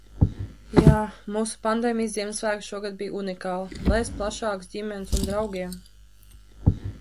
Jā, mūsu pandēmijas Ziemassvētki šogad bija unikāli – bez plašākas ģimenes un draugiem!